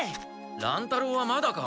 乱太郎はまだか？